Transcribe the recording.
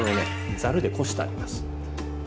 ざるでこしてあげます。